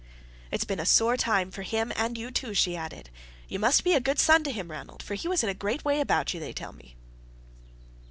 "It's been a sore time for him and you too," she added. "You must be a good son to him, Ranald, for he was in a great way about you, they tell me."